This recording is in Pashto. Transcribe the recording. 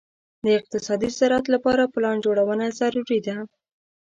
د اقتصادي زراعت لپاره پلان جوړونه ضروري ده.